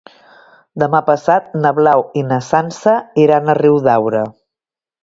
Demà passat na Blau i na Sança iran a Riudaura.